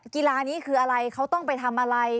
กีฬานี้คืออะไรเขาต้องไปทำอะไร